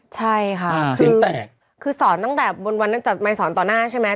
ใช่ค่ะคือสอนตั้งแต่บนวันนั้นจัดไมค์สอนต่อหน้าใช่ไหม